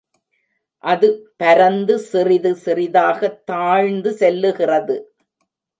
அது பரந்து சிறிது சிறிதாகத் தாழ்ந்து செல்லுகிறது.